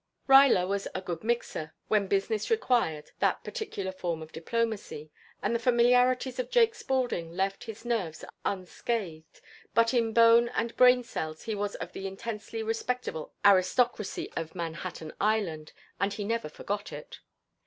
Ruyler was a "good mixer" when business required that particular form of diplomacy, and the familiarities of Jake Spaulding left his nerves unscathed, but in bone and brain cells he was of the intensely respectable aristocracy of Manhattan Island and he never forgot it.